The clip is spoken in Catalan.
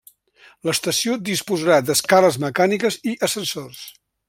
L'estació disposarà d'escales mecàniques i ascensors.